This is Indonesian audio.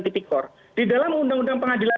tipikor di dalam undang undang pengadilan